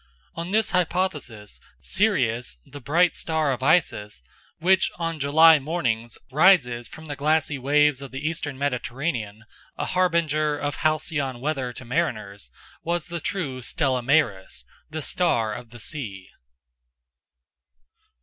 On this hypothesis Sirius, the bright star of Isis, which on July mornings rises from the glassy waves of the eastern Mediterranean, a harbinger of halcyon weather to mariners, was the true Stella Maris, "the Star of the Sea."